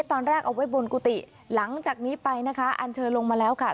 ตอนแรกเอาไว้บนกุฏิหลังจากนี้ไปนะคะอันเชิญลงมาแล้วค่ะ